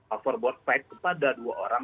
overboard fight kepada dua orang